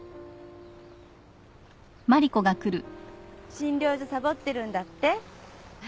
診療所さぼってるんだって？